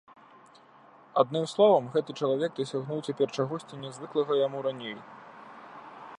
Адным словам, гэты чалавек дасягнуў цяпер чагосьці нязвыклага яму раней.